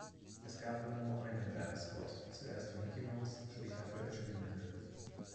Es gab immer nur einen Werbespot, zuerst für Mickey Mouse, später für ein Spülmittel.